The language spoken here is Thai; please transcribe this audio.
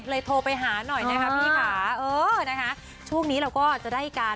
เลยโทรไปหาหน่อยนะครับพี่ค่ะช่วงนี้เราก็จะได้การ